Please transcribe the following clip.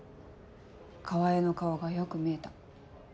川合の顔がよく見えた。